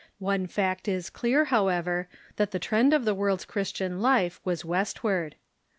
One fact is clear, however, that the trend of the world's Christian life Avas Avest Avard.